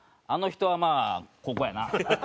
あの人はまあここやな。